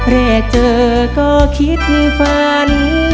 แรกเจอก็คิดฝัน